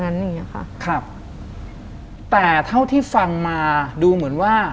อย่างเงี้ยค่ะครับแต่เท่าที่ฟังมาดูเหมือนว่า